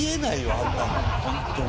あんなのホントに。